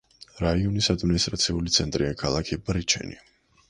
რაიონის ადმინისტრაციული ცენტრია ქალაქი ბრიჩენი.